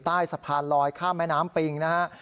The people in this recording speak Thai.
ใต้สะพานลอยข้ามแม่น้ำปิงนะฮะ